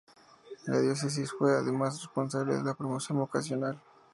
En la Diócesis fue, además, responsable de la promoción vocacional.